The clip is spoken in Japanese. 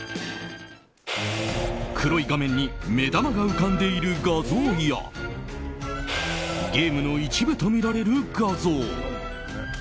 黒い画面に目玉が浮かんでいる画像やゲームの一部とみられる画像。